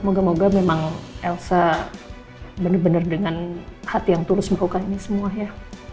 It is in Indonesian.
moga moga memang elsa benar benar dengan hati yang tulus melakukan ini semua ya